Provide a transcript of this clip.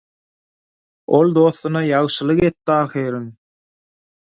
Ol dostuna ýagşylyk etdi ahyryn.